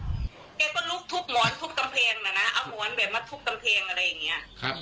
เอาหมอนแบบมาทุบกำแพงอะไรอย่างนี้